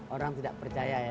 orang tidak percaya ya